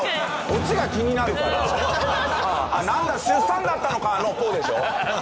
「なんだ出産だったのか」のこうでしょ？